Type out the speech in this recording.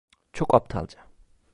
Çok aptalca.